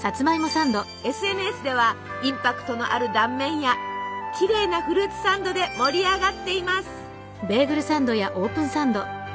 ＳＮＳではインパクトのある断面やきれいなフルーツサンドで盛り上がっています。